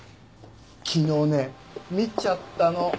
昨日ね見ちゃったの。